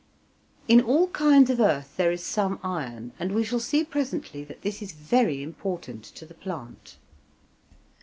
In all kinds of earth there is some iron, and we shall see presently that this is very important to the plant.